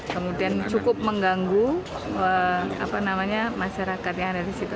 kemudian cukup mengganggu masyarakat yang ada di situ